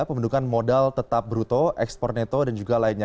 pembentukan modal tetap bruto ekspor neto dan juga lainnya